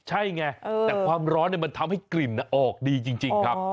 ใช่ไงแต่ความร้อนมันทำให้กลิ่นออกดีจริงครับ